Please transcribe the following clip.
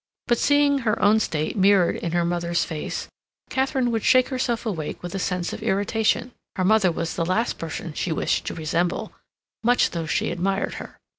But, seeing her own state mirrored in her mother's face, Katharine would shake herself awake with a sense of irritation. Her mother was the last person she wished to resemble, much though she admired her.